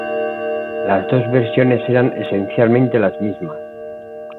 Las dos versiones eran esencialmente las mismas.